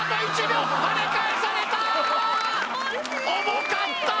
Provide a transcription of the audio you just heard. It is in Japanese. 重かった！